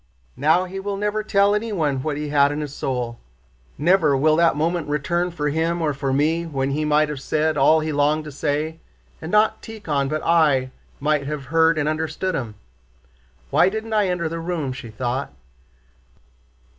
"Now he will never tell anyone what he had in his soul. Never will that moment return for him or for me when he might have said all he longed to say, and not Tíkhon but I might have heard and understood him. Why didn't I enter the room?" she thought.